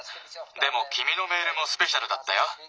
でもきみのメールもスペシャルだったよ。